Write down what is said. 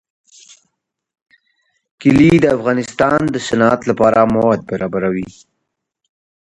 کلي د افغانستان د صنعت لپاره مواد برابروي.